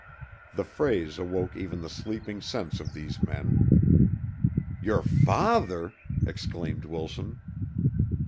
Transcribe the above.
The phrase awoke even the sleeping sense of these men. "Your father!" exclaimed Wilson.